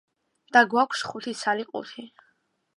და გვაქვს ხუთი ცალი ყუთი.